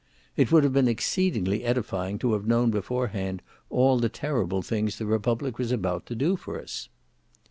It would have been exceedingly edifying to have known beforehand all the terrible things the republic was about to do for us.